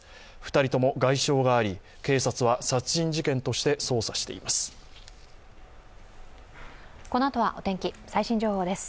２人とも外傷があり、警察は殺人事件として捜査しています。